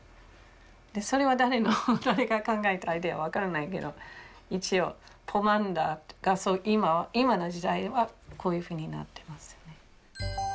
それは誰が考えたアイデア分からないけど一応ポマンダーとか今の時代ではこういうふうになってますね。